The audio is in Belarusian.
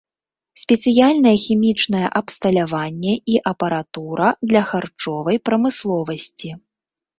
Спецыяльнае хімічнае абсталяванне і апаратура для харчовай прамысловасці.